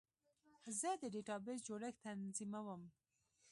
زه د ډیټابیس جوړښت تنظیموم.